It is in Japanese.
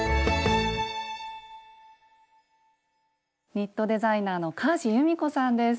ニットデザイナーの川路ゆみこさんです。